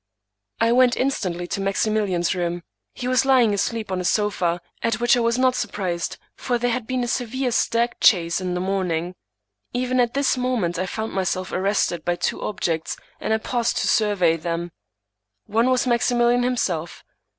I went instantly to Maximilian's room. He was lying asleep on a sofa, at which I was not surprised, for there had been a severe stag chase in the morning. Even at this moment I found myself arrested by two objects, and I paused to survey them. One was Maximilian himself.